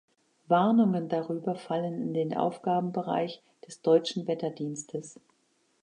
Warnungen darüber fallen in den Aufgabenbereich des Deutschen Wetterdienstes.